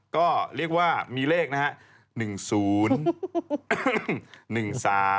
ก็เรียกว่ามีเลขนะฮะ๑๐๑๓